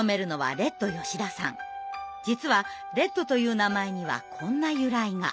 実はレッドという名前にはこんな由来が。